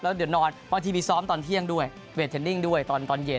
เดี๋ยวนอนบางทีมีซ้อมตอนเที่ยงด้วยเวทเทนนิ่งด้วยตอนเย็น